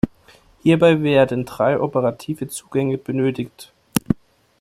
Hierbei werden drei operative Zugänge benötigt.